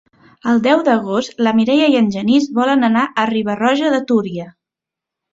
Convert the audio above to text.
El deu d'agost na Mireia i en Genís volen anar a Riba-roja de Túria.